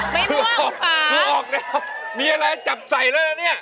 ไม่มั่วคุณพ่อออกได้คือออกเนี่ยมีอะไรอันจับใสเลยนะเนี่ย